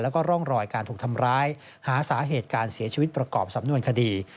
แล้วก็ร่องรอยการถูกทำร้ายหาสาเหตุการเสียชีวิตประกอบสำนวนคดี